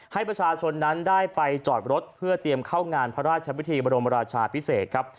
ให้ประชาชนนั้นได้ไปจอดรถเพื่อเตรียมเข้างานพระราชพิธีบรมราชาพิเศษครับ